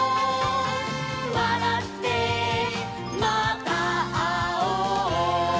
「わらってまたあおう」